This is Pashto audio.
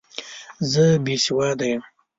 زه بې سواده یم!